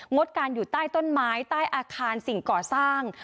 ดการอยู่ใต้ต้นไม้ใต้อาคารสิ่งก่อสร้าง